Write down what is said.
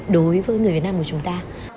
đối với người việt nam của chúng ta